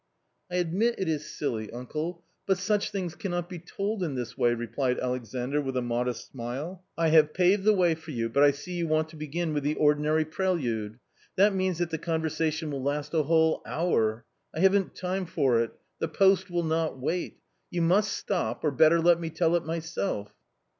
" I admit it is silly, uncle, but such things cannot be told in this way," replied Alexandr with a modest smile. " I have paved the way for you, but I see you want to begin with the ordinary prelude. That means that the conversation will last a whole hour ; I haven't time for it ; the post will not wait. You must stop, or better let me tell it myself."